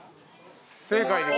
正解です。